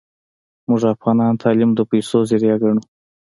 موږ افغانان تعلیم د پیسو ذریعه ګڼو